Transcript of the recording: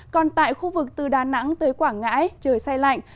còn tại khu vực từ đà nẵng tới quảng ngãi trời xe lạnh